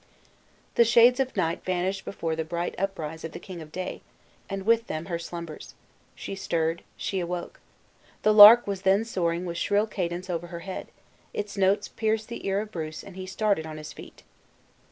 The shades of night vanished before the bright uprise of the king of day, and with them her slumbers. She stirred; she awoke. The lark was then soaring with shrill cadence over her head; its notes pierced the ear of Bruce, and he started on his feet.